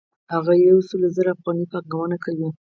هغه یو سل زره افغانۍ پانګونه کوي